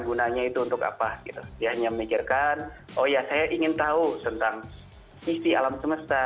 gunanya itu untuk apa gitu ya hanya memikirkan oya saya ingin tahu tentang sisi alam semesta